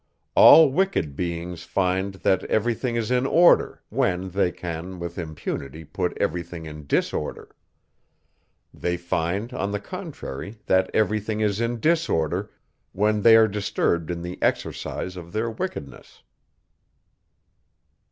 All wicked beings find that every thing is in order, when they can with impunity put every thing in disorder. They find, on the contrary, that every thing is in disorder, when they are disturbed in the exercise of their wickedness.